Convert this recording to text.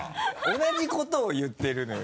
同じことを言ってるのよ